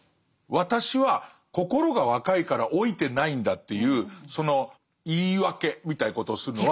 私は心が若いから老いてないんだっていうその言い訳みたいなことをするのは。